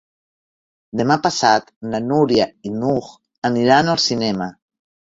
Demà passat na Núria i n'Hug aniran al cinema.